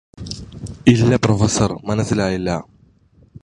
ഇല്ല പ്രൊഫസർ മനസ്സിലായില്ല